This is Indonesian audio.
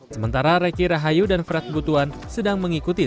sementara reky rahayu dan fred butuan sedang mengikuti